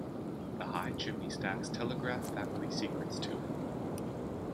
The high chimney-stacks telegraph family secrets to him.